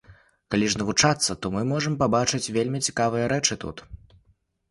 Калі ж навучацца, то мы можам пабачыць вельмі цікавыя рэчы тут.